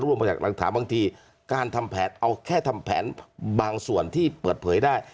รวมมาจากหลักฐานบางทีการทำแผนเอาแค่ทำแผนบางส่วนที่เปิดเผยได้